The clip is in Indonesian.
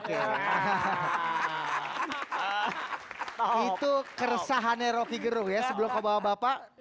itu keresahannya rocky gerung ya sebelum kebawa bapak